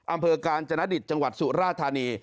อำเภอกาญจนดิตจังหวัดสุราธานี